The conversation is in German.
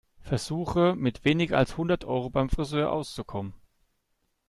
Versuche, mit weniger als hundert Euro beim Frisör auszukommen.